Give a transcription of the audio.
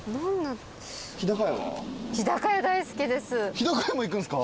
日高屋も行くんすか？